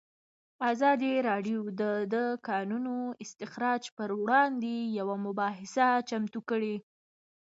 ازادي راډیو د د کانونو استخراج پر وړاندې یوه مباحثه چمتو کړې.